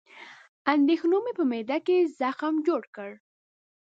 اندېښنو مې په معده کې زخم جوړ کړ